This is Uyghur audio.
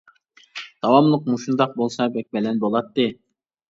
داۋاملىق مۇشۇنداق بولسا بەك بەلەن بولاتتى.